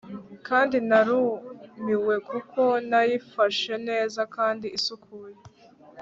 kandi narumiwe kuko nayifashe neza kandi isukuye